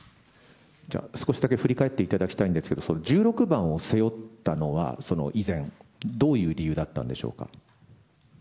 少しだけ、振り返っていただきたいんですけど１６番を背負ったのはどういう理由だったんでしょうか。